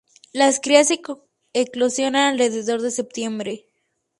Las crías eclosionan alrededor de septiembre.